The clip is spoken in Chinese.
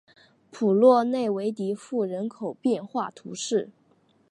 普洛内韦迪福人口变化图示